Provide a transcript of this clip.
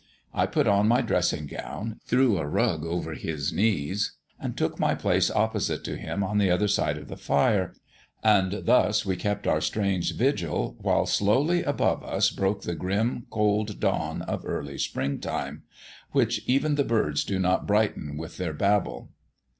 I put on my dressing gown, threw a rug over his knees, and took my place opposite to him on the other side of the fire; and thus we kept our strange vigil, while slowly above us broke the grim, cold dawn of early spring time, which even the birds do not brighten with their babble.